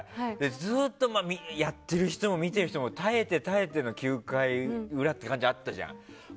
ずっとやってる人も見てる人も耐えて耐えても９回裏って感じあったじゃん。